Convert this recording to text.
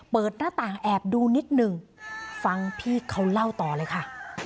เปิดหน้าต่างแอบดูนิดหนึ่งฟังพี่เขาเล่าต่อเลยค่ะ